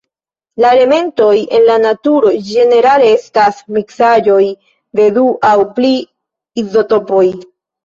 La elementoj en la naturo ĝenerale estas miksaĵoj de du aŭ pli izotopoj.